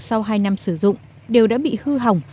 sau hai năm sử dụng đều đã bị hư hỏng